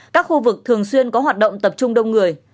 các khu vực thường xuyên có hoạt động tập trung đông người